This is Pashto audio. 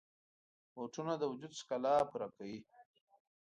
بوټونه د وجود ښکلا پوره کوي.